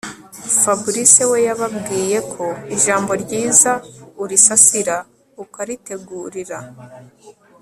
Fabric we yababwiye ko ijambo ryiza urisasira ukaritegurira